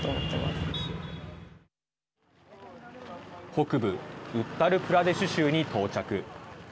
北部ウッタル・プラデシュ州に到着。